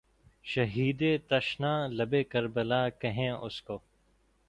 شہیدِ تشنہ لبِ کربلا کہیں اُس کو